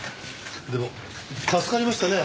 でも助かりましたね。